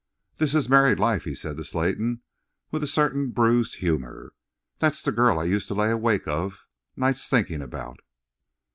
"This is married life," he said to Slayton, with a certain bruised humour. "That's the girl I used to lay awake of nights thinking about.